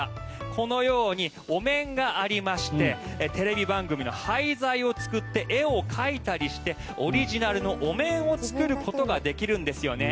このようにお面がありましてテレビ番組の廃材を使って絵を描いたりしてオリジナルのお面を作ることができるんですよね。